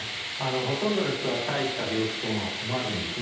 ほとんどの人は大した病気とは思わずにですね